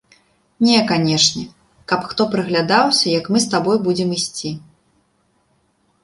Не канечне, каб хто прыглядаўся, як мы з табой будзем ісці.